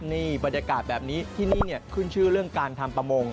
นี่บรรยากาศแบบนี้ที่นี่ขึ้นชื่อเรื่องการทำประมง